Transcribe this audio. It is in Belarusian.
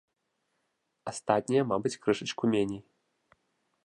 Астатнія, мабыць, крышачку меней.